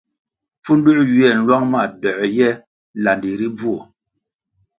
Pfunduē ywiè nlwang ma doē ye landi ri bvuo.